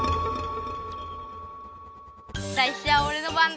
さいしょはおれの番だ。